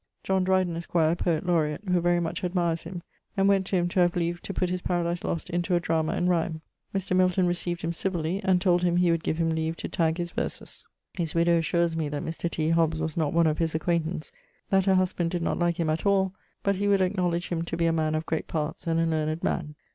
John Dreyden, esq., Poet Laureate, who very much admires him, and went to him to have leave to putt his Paradise Lost into a drama in rhymne. Mr. Milton recieved him civilly, and told him he would give him leave to tagge his verses. His widowe assures me that Mr. T. Hobbs was not one of his acquaintance, that her husband did not like him at all, but he would acknowledge him to be a man of great parts, and a learned man.